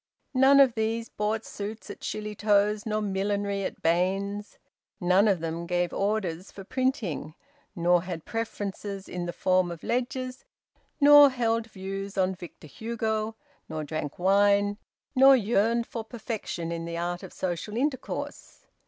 None of these bought suits at Shillitoe's, nor millinery at Baines's. None of them gave orders for printing, nor had preferences in the form of ledgers, nor held views on Victor Hugo, nor drank wine, nor yearned for perfection in the art of social intercourse.